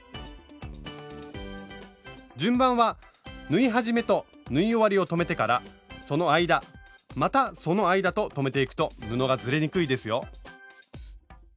順番は縫い始めと縫い終わりを留めてからその間またその間と留めていくと布がずれにくいですよ。